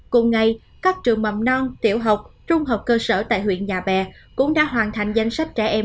cùng ngày các trường mầm non tiểu học trung học cơ sở tại huyện nhà bè cũng đã hoàn thành danh sách trẻ em